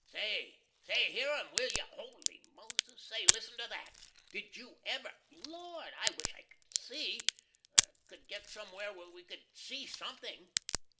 Say, say, hear 'em, will you! Holy Moses! say listen to that! Did you ever hear Lord! I wish we could see could get somewhere where we could see something."